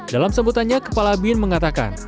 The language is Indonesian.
dalam sebutannya kepala bin mengatakan